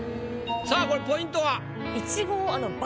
さあこれポイントは？